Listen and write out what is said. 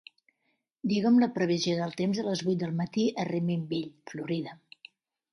Diguem la previsió del temps a les vuit del matí a Reminderville, Florida